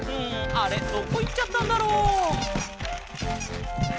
あれどこいっちゃったんだろう？